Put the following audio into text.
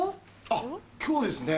あっ今日ですね